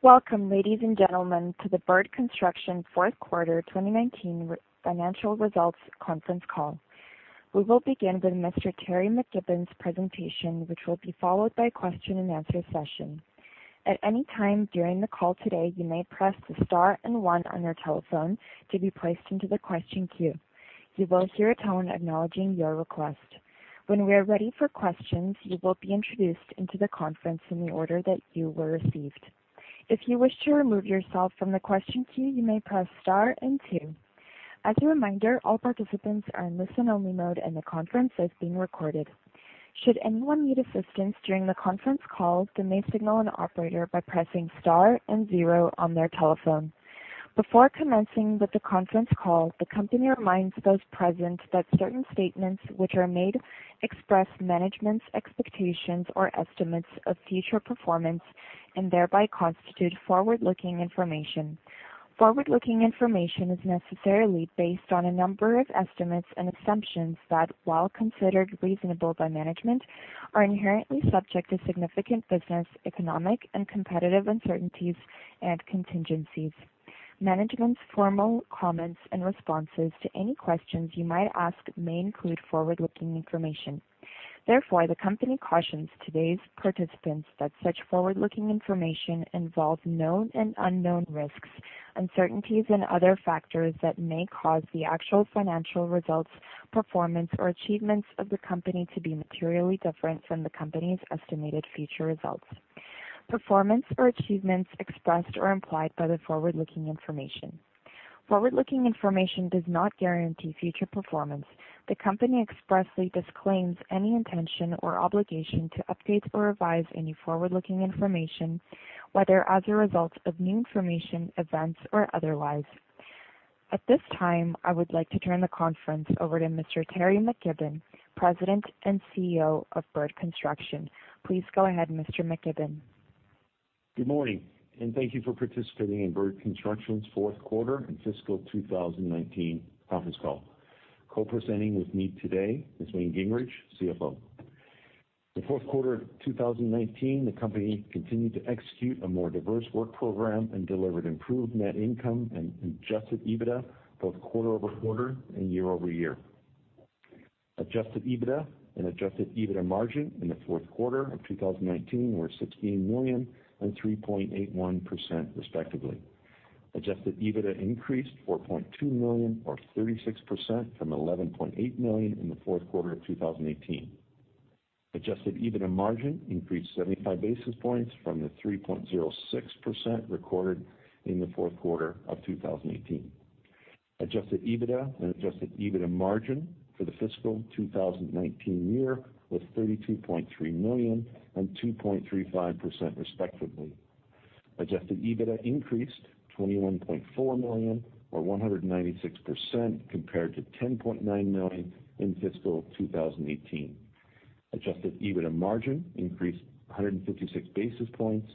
Welcome, ladies and gentlemen, to the Bird Construction fourth quarter 2019 financial results conference call. We will begin with Mr. Teri McKibbon's presentation, which will be followed by a question-and-answer session. At any time during the call today, you may press the star and one on your telephone to be placed into the question queue. You will hear a tone acknowledging your request. When we are ready for questions, you will be introduced into the conference in the order that you were received. If you wish to remove yourself from the question queue, you may press star and two. As a reminder, all participants are in listen-only mode, and the conference is being recorded. Should anyone need assistance during the conference call, they may signal an operator by pressing star and zero on their telephone. Before commencing with the conference call, the company reminds those present that certain statements which are made express management's expectations or estimates of future performance and thereby constitute forward-looking information. Forward-looking information is necessarily based on a number of estimates and assumptions that, while considered reasonable by management, are inherently subject to significant business, economic, and competitive uncertainties and contingencies. Management's formal comments and responses to any questions you might ask may include forward-looking information. Therefore, the company cautions today's participants that such forward-looking information involves known and unknown risks, uncertainties, and other factors that may cause the actual financial results, performance, or achievements of the company to be materially different from the company's estimated future results, performance, or achievements expressed or implied by the forward-looking information. Forward-looking information does not guarantee future performance. The company expressly disclaims any intention or obligation to update or revise any forward-looking information, whether as a result of new information, events, or otherwise. At this time, I would like to turn the conference over to Mr. Teri McKibbon, President and CEO of Bird Construction. Please go ahead, Mr. McKibbon. Good morning, and thank you for participating in Bird Construction's fourth quarter and fiscal 2019 conference call. Co-presenting with me today is Wayne Gingrich, CFO. In the fourth quarter of 2019, the company continued to execute a more diverse work program and delivered improved net income and adjusted EBITDA both quarter-over-quarter and year-over-year. Adjusted EBITDA and adjusted EBITDA margin in the fourth quarter of 2019 were 16 million and 3.81%, respectively. Adjusted EBITDA increased 4.2 million or 36% from 11.8 million in the fourth quarter of 2018. Adjusted EBITDA margin increased 75 basis points from the 3.06% recorded in the fourth quarter of 2018. Adjusted EBITDA and adjusted EBITDA margin for the fiscal 2019 year was 32.3 million and 2.35%, respectively. Adjusted EBITDA increased 21.4 million or 196% compared to 10.9 million in fiscal 2018. Adjusted EBITDA margin increased 156 basis points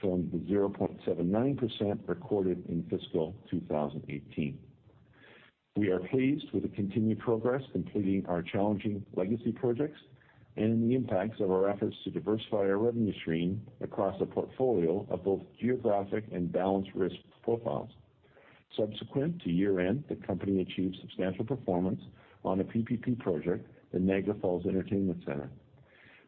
from the 0.79% recorded in fiscal 2018. We are pleased with the continued progress completing our challenging legacy projects and the impacts of our efforts to diversify our revenue stream across a portfolio of both geographic and balanced risk profiles. Subsequent to year-end, the company achieved substantial performance on a PPP project, the Niagara Falls Entertainment Centre.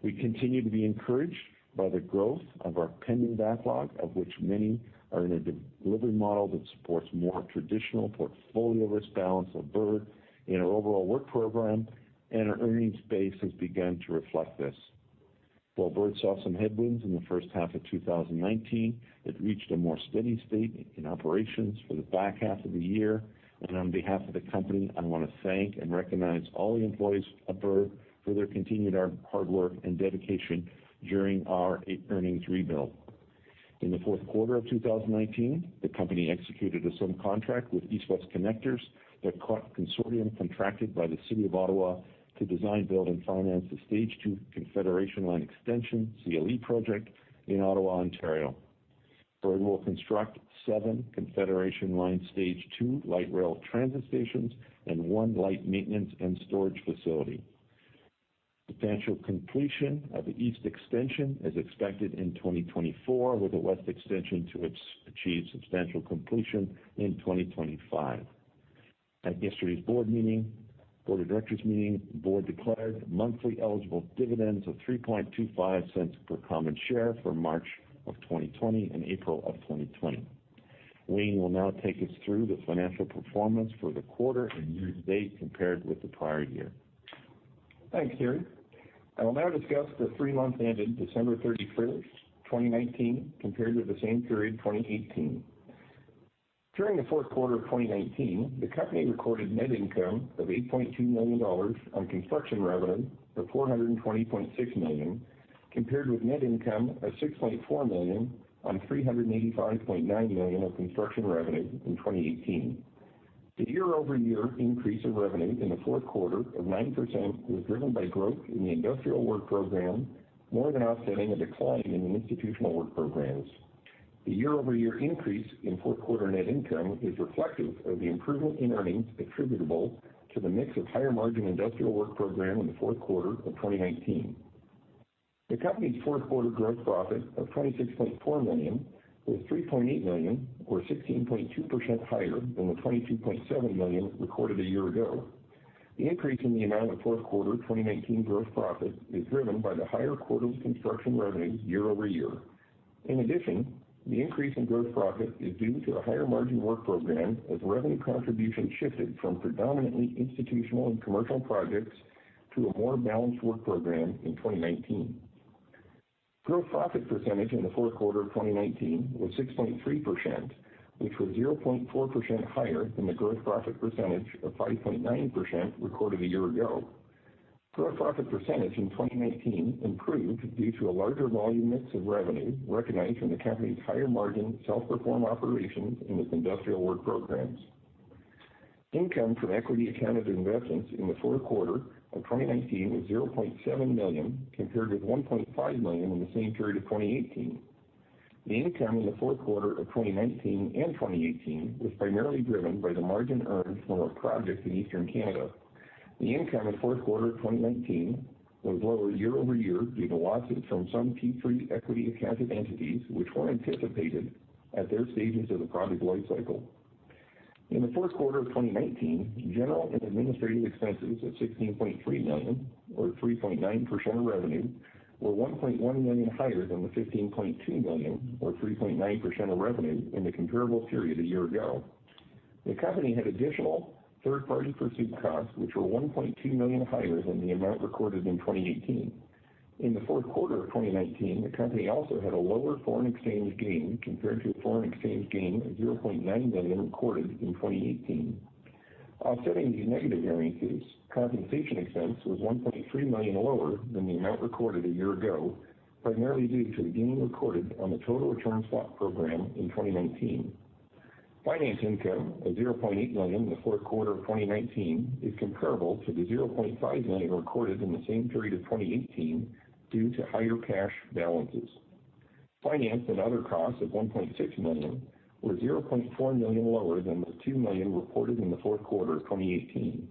We continue to be encouraged by the growth of our pending backlog, of which many are in a delivery model that supports more traditional portfolio risk balance of Bird in our overall work program, and our earnings base has begun to reflect this. While Bird saw some headwinds in the first half of 2019, it reached a more steady state in operations for the back half of the year. On behalf of the company, I want to thank and recognize all the employees of Bird for their continued hard work and dedication during our earnings rebuild. In the fourth quarter of 2019, the company executed a sub-contract with East-West Connectors, the consortium contracted by the City of Ottawa to design, build, and finance the Stage 2 Confederation Line Extension, CLE project in Ottawa, Ontario. Bird will construct seven Confederation Line Stage 2 light rail transit stations and one light maintenance and storage facility. Substantial completion of the East extension is expected in 2024, with a West extension to achieve substantial completion in 2025. At yesterday's board of directors meeting, the board declared monthly eligible dividends of 0.0325 per common share for March of 2020 and April of 2020. Wayne will now take us through the financial performance for the quarter and year to date compared with the prior year. Thanks, Teri. I will now discuss the three months ending December 31st, 2019, compared with the same period in 2018. During the fourth quarter of 2019, the company recorded net income of 8.2 million dollars on construction revenue of 420.6 million, compared with net income of 6.4 million on 385.9 million of construction revenue in 2018. The year-over-year increase of revenue in the fourth quarter of 9% was driven by growth in the industrial work program, more than offsetting a decline in the institutional work programs. The year-over-year increase in fourth quarter net income is reflective of the improvement in earnings attributable to the mix of higher margin industrial work program in the fourth quarter of 2019. The company's fourth quarter gross profit of 26.4 million was 3.8 million, or 16.2% higher than the 22.7 million recorded a year ago. The increase in the amount of fourth quarter 2019 gross profit is driven by the higher quarterly construction revenue year-over-year. In addition, the increase in gross profit is due to a higher margin work program as revenue contribution shifted from predominantly institutional and commercial projects to a more balanced work program in 2019. Gross profit percentage in the fourth quarter of 2019 was 6.3%, which was 0.4% higher than the gross profit percentage of 5.9% recorded a year ago. Gross profit percentage in 2019 improved due to a larger volume mix of revenue recognized from the company's higher margin self-perform operations in its industrial work programs. Income from equity accounted investments in the fourth quarter of 2019 was 0.7 million, compared with 1.5 million in the same period of 2018. The income in the fourth quarter of 2019 and 2018 was primarily driven by the margin earned from our projects in Eastern Canada. The income in the fourth quarter of 2019 was lower year-over-year due to losses from some P3 equity accounted entities which were anticipated at their stages of the project life cycle. In the fourth quarter of 2019, general and administrative expenses of 16.3 million, or 3.9% of revenue, were 1.1 million higher than the 15.2 million, or 3.9% of revenue, in the comparable period a year ago. The company had additional third-party pursuit costs, which were 1.2 million higher than the amount recorded in 2018. In the fourth quarter of 2019, the company also had a lower foreign exchange gain compared to a foreign exchange gain of 0.9 million recorded in 2018. Offsetting these negative variances, compensation expense was 1.3 million lower than the amount recorded a year ago, primarily due to a gain recorded on the total return swap program in 2019. Finance income of 0.8 million in the fourth quarter of 2019 is comparable to the 0.5 million recorded in the same period of 2018 due to higher cash balances. Finance and other costs of 1.6 million were 0.4 million lower than the 2 million reported in the fourth quarter of 2018.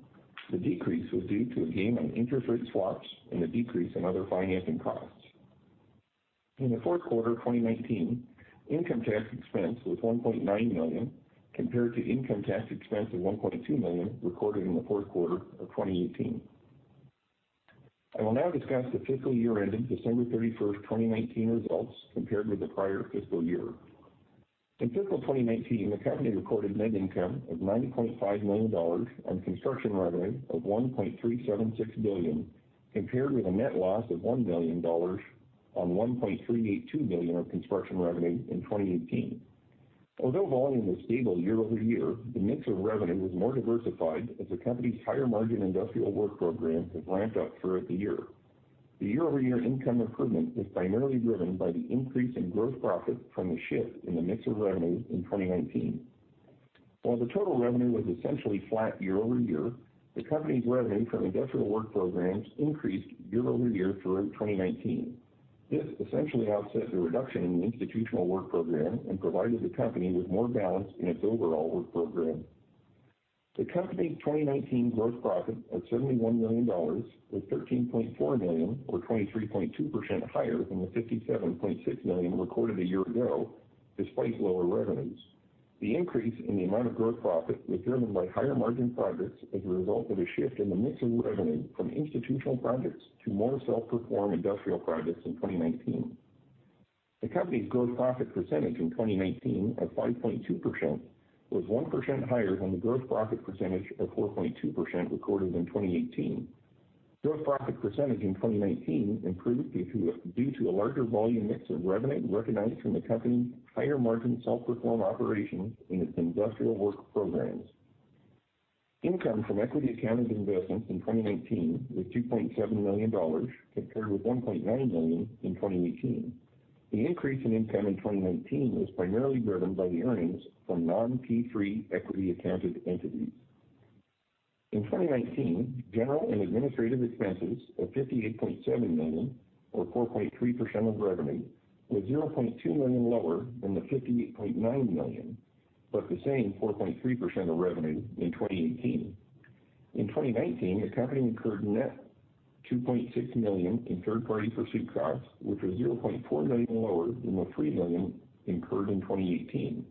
The decrease was due to a gain on interest rate swaps and a decrease in other financing costs. In the fourth quarter of 2019, income tax expense was 1.9 million, compared to income tax expense of 1.2 million recorded in the fourth quarter of 2018. I will now discuss the fiscal year ending December 31st, 2019 results compared with the prior fiscal year. In fiscal 2019, the company recorded net income of 9.5 million dollars on construction revenue of 1.376 billion, compared with a net loss of 1 million dollars on 1.382 billion of construction revenue in 2018. Volume was stable year-over-year, the mix of revenue was more diversified as the company's higher margin industrial work program has ramped up throughout the year. The year-over-year income improvement was primarily driven by the increase in gross profit from the shift in the mix of revenue in 2019. The total revenue was essentially flat year-over-year, the company's revenue from industrial work programs increased year-over-year throughout 2019. This essentially offset the reduction in the institutional work program and provided the company with more balance in its overall work program. The company's 2019 gross profit of 71 million dollars was 13.4 million, or 23.2% higher than the 57.6 million recorded a year ago, despite lower revenues. The increase in the amount of gross profit was driven by higher margin projects as a result of a shift in the mix of revenue from institutional projects to more self-perform industrial projects in 2019. The company's gross profit percentage in 2019 of 5.2% was 1% higher than the gross profit percentage of 4.2% recorded in 2018. Gross profit percentage in 2019 improved due to a larger volume mix of revenue recognized from the company's higher margin self-perform operations in its industrial work programs. Income from equity accounted investments in 2019 was 2.7 million dollars, compared with 1.9 million in 2018. The increase in income in 2019 was primarily driven by the earnings from non-P3 equity accounted entities. In 2019, general and administrative expenses of 58.7 million or 4.3% of revenue were 0.2 million lower than the 58.9 million, but the same 4.3% of revenue in 2018. In 2019, the company incurred net 2.6 million in third-party pursuit costs, which was 0.4 million lower than the 3 million incurred in 2018.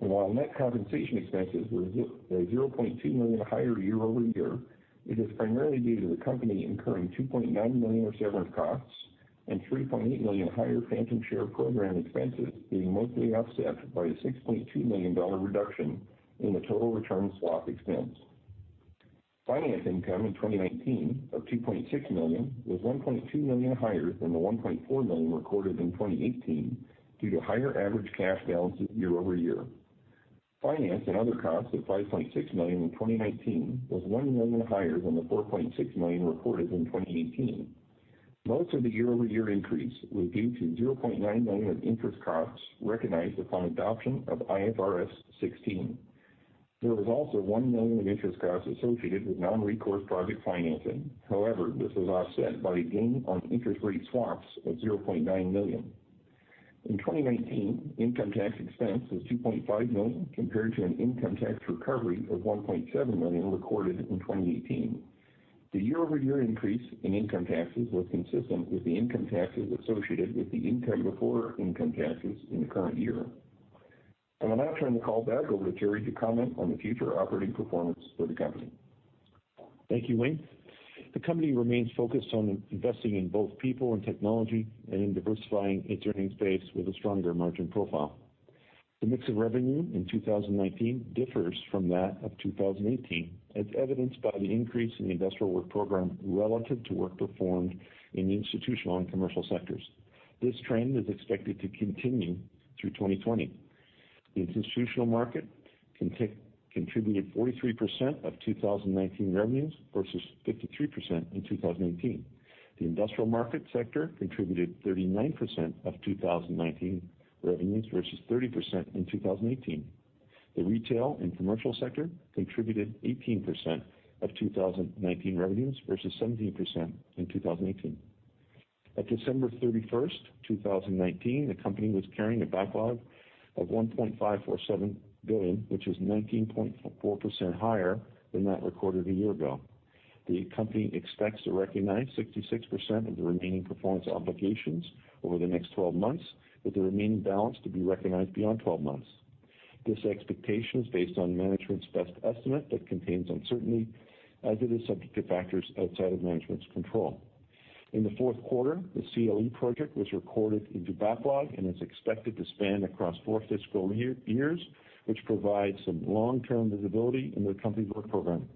While net compensation expenses were 0.2 million higher year-over-year, it is primarily due to the company incurring 2.9 million of severance costs and 3.8 million higher phantom share program expenses being mostly offset by a 6.2 million dollar reduction in the total return swap expense. Finance income in 2019 of 2.6 million was 1.2 million higher than the 1.4 million recorded in 2018 due to higher average cash balances year-over-year. Finance and other costs of 5.6 million in 2019 was 1 million higher than the 4.6 million reported in 2018. Most of the year-over-year increase was due to 0.9 million of interest costs recognized upon adoption of IFRS 16. There was also 1 million of interest costs associated with non-recourse project financing. This was offset by a gain on interest rate swaps of 0.9 million. In 2019, income tax expense was 2.5 million compared to an income tax recovery of 1.7 million recorded in 2018. The year-over-year increase in income taxes was consistent with the income taxes associated with the income before income taxes in the current year. I will now turn the call back over to Teri to comment on the future operating performance for the company. Thank you, Wayne. The company remains focused on investing in both people and technology and in diversifying its earnings base with a stronger margin profile. The mix of revenue in 2019 differs from that of 2018, as evidenced by the increase in the industrial work program relative to work performed in the institutional and commercial sectors. This trend is expected to continue through 2020. The institutional market contributed 43% of 2019 revenues versus 53% in 2018. The industrial market sector contributed 39% of 2019 revenues versus 30% in 2018. The retail and commercial sector contributed 18% of 2019 revenues versus 17% in 2018. At December 31st, 2019, the company was carrying a backlog of 1.547 billion, which is 19.4% higher than that recorded a year ago. The company expects to recognize 66% of the remaining performance obligations over the next 12 months, with the remaining balance to be recognized beyond 12 months. This expectation is based on management's best estimate that contains uncertainty as it is subject to factors outside of management's control. In the fourth quarter, the CLE project was recorded into backlog and is expected to span across four fiscal years, which provides some long-term visibility into the company's work program.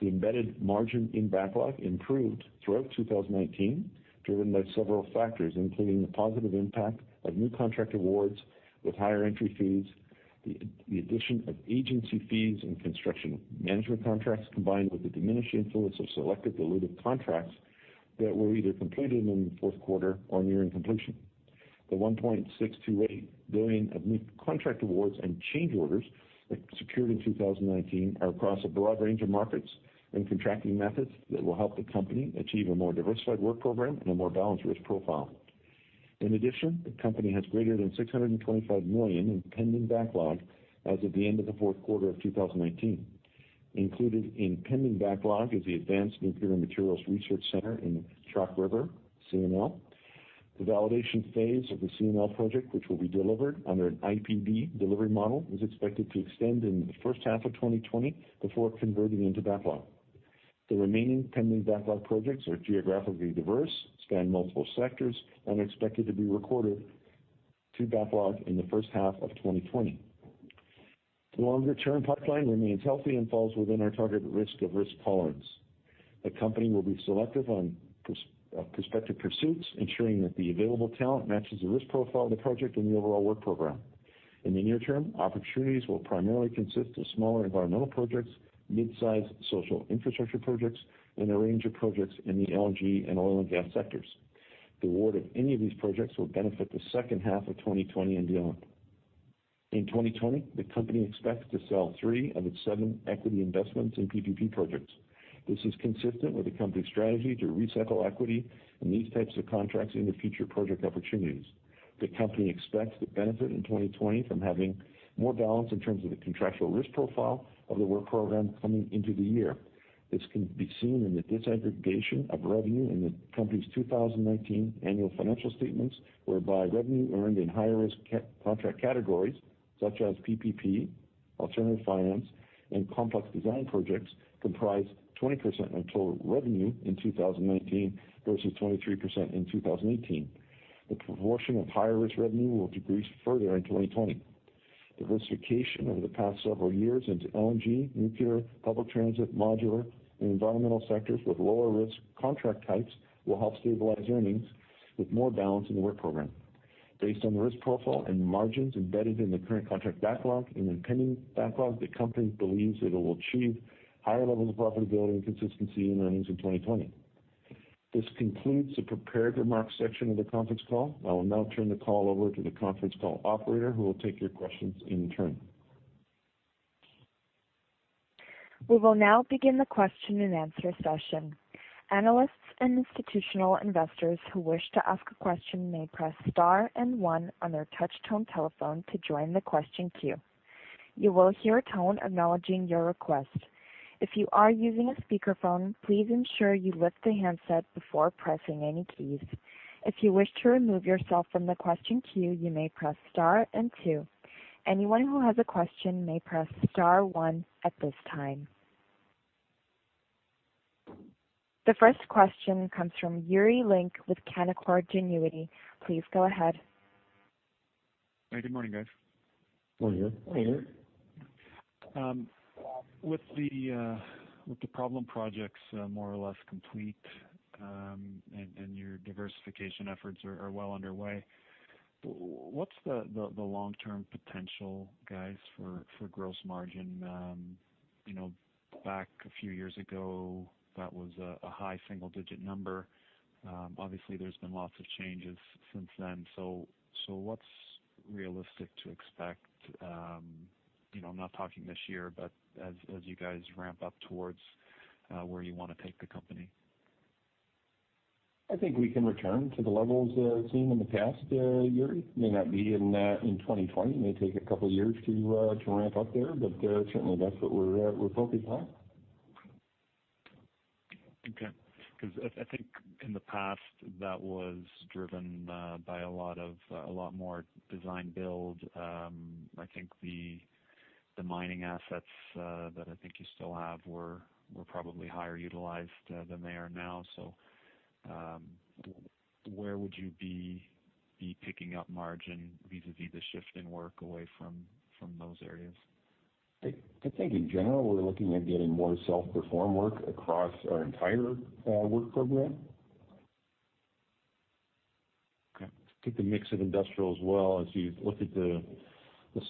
The embedded margin in backlog improved throughout 2019, driven by several factors, including the positive impact of new contract awards with higher entry fees, the addition of agency fees and construction management contracts, combined with the diminishing influence of selected dilutive contracts that were either completed in the fourth quarter or nearing completion. The 1.628 billion of new contract awards and change orders secured in 2019 are across a broad range of markets and contracting methods that will help the company achieve a more diversified work program and a more balanced risk profile. In addition, the company has greater than 625 million in pending backlog as of the end of the fourth quarter of 2019. Included in pending backlog is the Advanced Nuclear Materials Research Centre in Chalk River, CNL. The validation phase of the CNL project, which will be delivered under an IPD delivery model, is expected to extend into the first half of 2020 before converting into backlog. The remaining pending backlog projects are geographically diverse, span multiple sectors, and are expected to be recorded to backlog in the first half of 2020. The longer-term pipeline remains healthy and falls within our target risk of risk tolerance. The company will be selective on prospective pursuits, ensuring that the available talent matches the risk profile of the project and the overall work program. In the near term, opportunities will primarily consist of smaller environmental projects, mid-size social infrastructure projects, and a range of projects in the LNG and oil and gas sectors. The award of any of these projects will benefit the second half of 2020 and beyond. In 2020, the company expects to sell three of its seven equity investments in PPP projects. This is consistent with the company's strategy to recycle equity in these types of contracts into future project opportunities. The company expects to benefit in 2020 from having more balance in terms of the contractual risk profile of the work program coming into the year. This can be seen in the disaggregation of revenue in the company's 2019 annual financial statements, whereby revenue earned in higher-risk contract categories such as PPP, alternative finance, and complex design projects comprised 20% of total revenue in 2019 versus 23% in 2018. The proportion of higher-risk revenue will decrease further in 2020. Diversification over the past several years into LNG, nuclear, public transit, modular, and environmental sectors with lower-risk contract types will help stabilize earnings with more balance in the work program. Based on the risk profile and margins embedded in the current contract backlog and in pending backlog, the company believes that it will achieve higher levels of profitability and consistency in earnings in 2020. This concludes the prepared remarks section of the conference call. I will now turn the call over to the conference call operator, who will take your questions in turn. We will now begin the question-and-answer session. Analysts and institutional investors who wish to ask a question may press star and one on their touchtone telephone to join the question queue. You will hear a tone acknowledging your request. If you are using a speakerphone, please ensure you lift the handset before pressing any keys. If you wish to remove yourself from the question queue, you may press star and two. Anyone who has a question may press star one at this time. The first question comes from Yuri Lynk with Canaccord Genuity. Please go ahead. Hi, good morning, guys. Morning, Yuri. With the problem projects more or less complete and your diversification efforts are well underway, what's the long-term potential, guys, for gross margin? Back a few years ago, that was a high single-digit number. Obviously, there's been lots of changes since then. What's realistic to expect? I'm not talking this year, but as you guys ramp up towards where you want to take the company. I think we can return to the levels seen in the past, Yuri. May not be in 2020. May take a couple of years to ramp up there, but certainly that's what we're focused on. Okay. I think in the past that was driven by a lot more design build. I think the mining assets that I think you still have were probably higher utilized than they are now. Where would you be picking up margin vis-a-vis the shift in work away from those areas? I think in general, we're looking at getting more self-perform work across our entire work program. Okay. I think the mix of industrial as well, as you look at the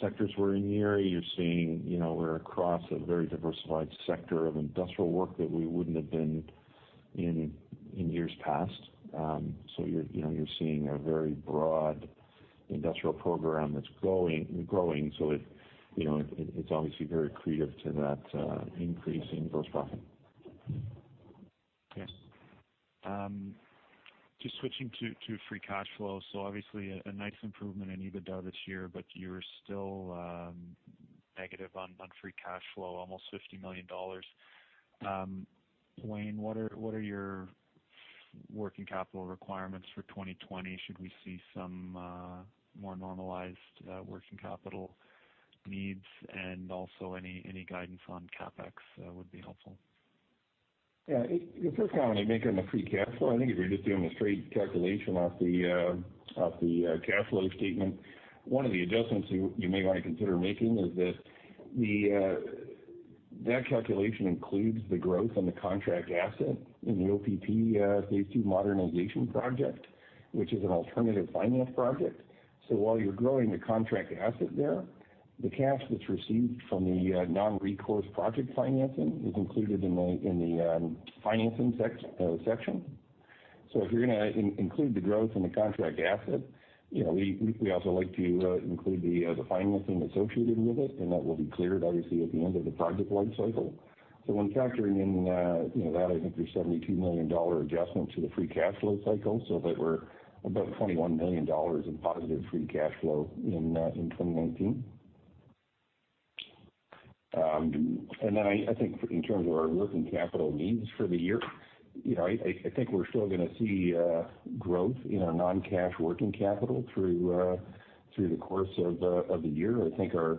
sectors we're in, Yuri, you're seeing we're across a very diversified sector of industrial work that we wouldn't have been in years past. You're seeing a very broad industrial program that's growing. It's obviously very accretive to that increase in gross profit. Okay. Just switching to free cash flow. Obviously a nice improvement in EBITDA this year, but you're still negative on free cash flow, almost 50 million dollars. Wayne, what are your working capital requirements for 2020? Should we see some more normalized working capital needs? Also any guidance on CapEx would be helpful. The first comment I'd make on the free cash flow, I think if you're just doing a straight calculation off the cash flow statement, one of the adjustments you may want to consider making is that calculation includes the growth on the contract asset in the OPP Modernization Phase 2 project, which is an alternative finance project. While you're growing the contract asset there, the cash that's received from the non-recourse project financing is included in the financing section. If you're going to include the growth in the contract asset, we also like to include the financing associated with it, that will be cleared, obviously, at the end of the project life cycle. When factoring in that, I think there's 72 million dollar adjustment to the free cash flow cycle. That we're about 21 million dollars in positive free cash flow in 2019. I think in terms of our working capital needs for the year, I think we're still going to see growth in our non-cash working capital through the course of the year. I think our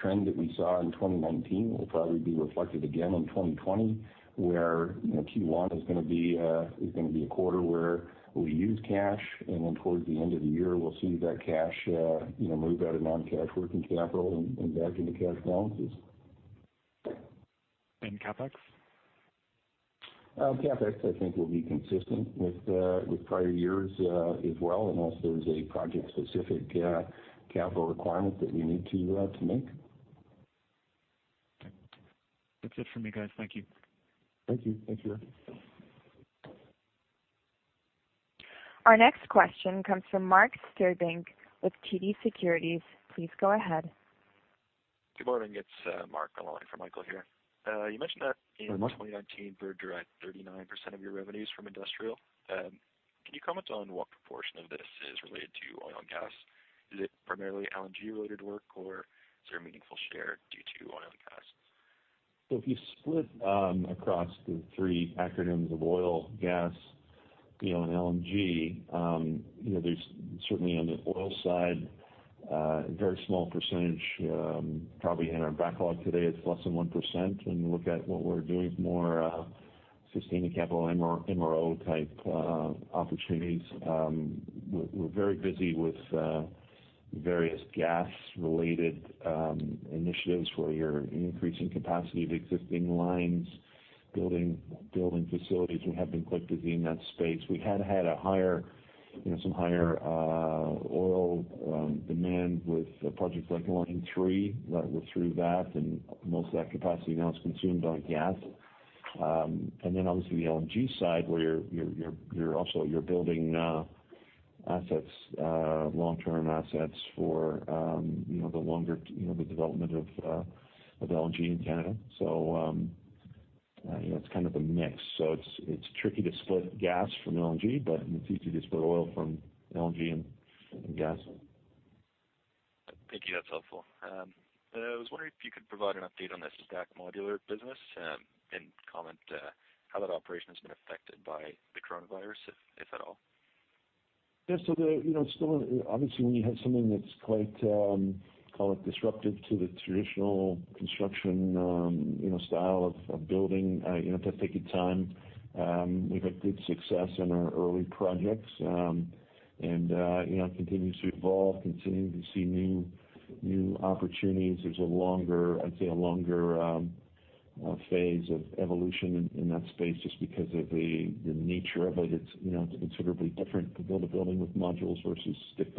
trend that we saw in 2019 will probably be reflected again in 2020, where Q1 is going to be a quarter where we use cash, and then towards the end of the year, we'll see that cash move out of non-cash working capital and back into cash balances. CapEx? CapEx, I think will be consistent with prior years as well, unless there's a project-specific capital requirement that we need to make. Okay. That's it for me, guys. Thank you. Thank you. Thanks, Yuri. Our next question comes from Mark Stuebing with TD Securities. Please go ahead. Good morning. It's Mark, along for Michael here. You mentioned that in 2019, Bird derived 39% of your revenues from industrial. Can you comment on what proportion of this is related to oil and gas? Is it primarily LNG-related work, or is there a meaningful share due to oil and gas? If you split across the three acronyms of oil, gas, and LNG, there's certainly on the oil side, a very small percentage, probably in our backlog today it's less than 1%. You look at what we're doing is more sustaining capital MRO type opportunities. We're very busy with various gas-related initiatives where you're increasing capacity of existing lines, building facilities. We had had some higher oil demand with projects like Line 3, that were through that, and most of that capacity now is consumed on gas. Obviously the LNG side where you're building long-term assets for the development of LNG in Canada. It's kind of a mix. It's tricky to split gas from LNG, but it's easy to split oil from LNG and gas. Thank you. That's helpful. I was wondering if you could provide an update on the Stack Modular business and comment how that operation has been affected by the coronavirus, if at all. Yeah. Still, obviously, when you have something that is quite, call it disruptive to the traditional construction style of building, it will take a time. We've had good success in our early projects. It continues to evolve, continuing to see new opportunities. There's I'd say, a longer phase of evolution in that space just because of the nature of it. It's considerably different to build a building with modules versus stick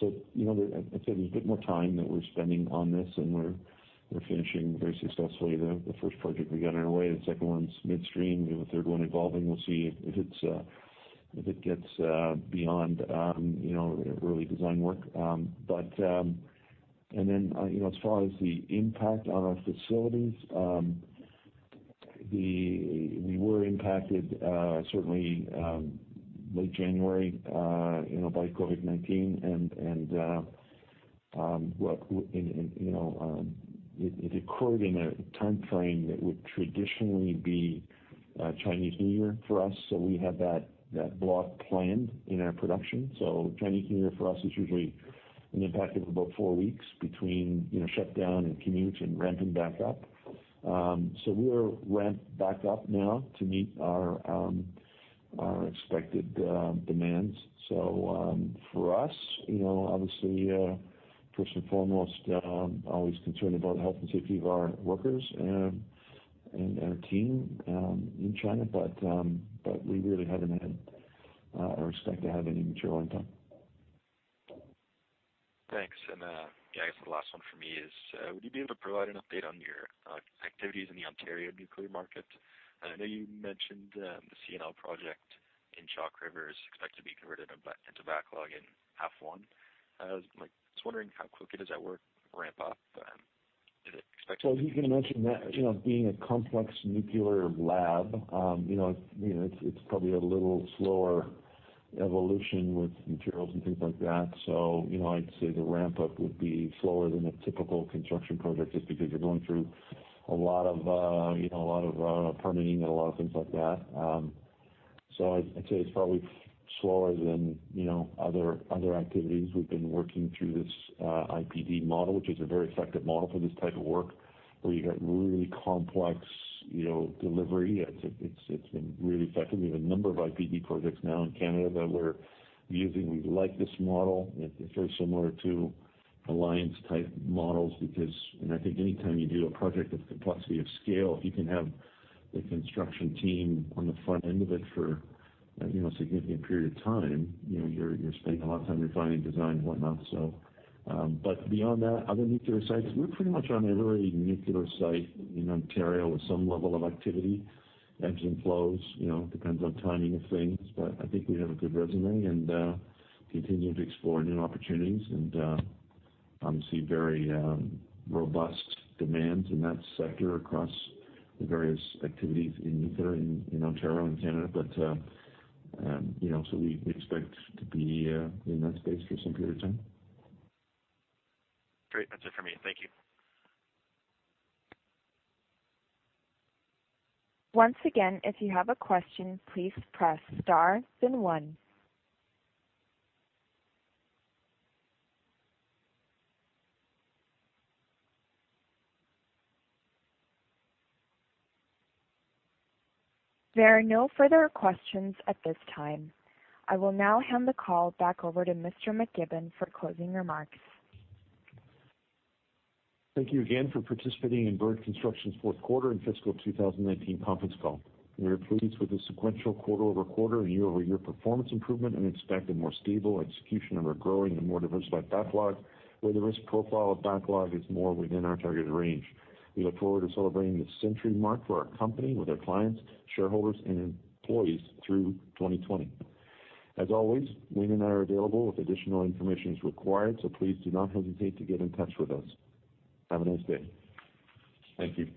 built. I'd say there's a bit more time that we're spending on this and we're finishing very successfully the first project we got on our way. The second one's midstream. We have a third one evolving. We'll see if it's If it gets beyond early design work. As far as the impact on our facilities, we were impacted certainly late January by COVID-19. It occurred in a timeframe that would traditionally be Chinese New Year for us. We had that block planned in our production. Chinese New Year for us is usually an impact of about four weeks between shutdown and commute and ramping back up. We are ramped back up now to meet our expected demands. For us, obviously, first and foremost, always concerned about health and safety of our workers and our team in China. We really haven't had or expect to have any material impact. Thanks. Yeah, I guess the last one for me is would you be able to provide an update on your activities in the Ontario nuclear market? I know you mentioned the CNL project in Chalk River is expected to be converted into backlog in half one. I was just wondering how quickly does that work ramp up? As you can imagine that, being a complex nuclear lab, it's probably a little slower evolution with materials and things like that. I'd say the ramp up would be slower than a typical construction project, just because you're going through a lot of permitting and a lot of things like that. I'd say it's probably slower than other activities. We've been working through this IPD model, which is a very effective model for this type of work, where you got really complex delivery. It's been really effective. We have a number of IPD projects now in Canada that we're using. We like this model. It's very similar to alliance type models because, I think anytime you do a project of complexity of scale, if you can have the construction team on the front end of it for a significant period of time, you're spending a lot of time refining design and whatnot, so. Beyond that, other nuclear sites, we're pretty much on every nuclear site in Ontario with some level of activity. Ebbs and flows, depends on timing of things. I think we have a good resume and continue to explore new opportunities and obviously very robust demands in that sector across the various activities in nuclear in Ontario and Canada. We expect to be in that space for some period of time. Great. That's it for me. Thank you. Once again, if you have a question, please press star then one. There are no further questions at this time. I will now hand the call back over to Mr. McKibbon for closing remarks. Thank you again for participating in Bird Construction's fourth quarter and fiscal 2019 conference call. We are pleased with the sequential quarter-over-quarter and year-over-year performance improvement, and expect a more stable execution of our growing and more diversified backlog, where the risk profile of backlog is more within our targeted range. We look forward to celebrating the century mark for our company with our clients, shareholders and employees through 2020. As always, Wayne and I are available if additional information is required, so please do not hesitate to get in touch with us. Have a nice day. Thank you.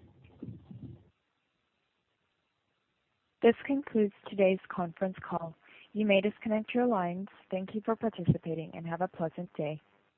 This concludes today's conference call. You may disconnect your lines. Thank you for participating and have a pleasant day.